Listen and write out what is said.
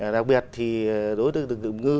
đặc biệt thì đối với đường dây ngư